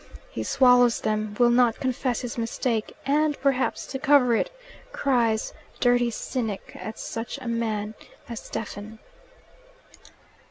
He swallows them, will not confess his mistake, and perhaps to cover it cries "dirty cynic" at such a man as Stephen.